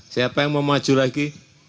siapa yang mau maju lagi